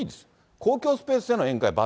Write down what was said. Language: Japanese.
公共スペースでの宴会は×。